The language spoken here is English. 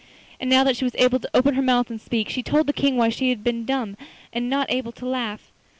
And now that she was able to open her mouth and speak, she told the King why she had been dumb and not able to laugh.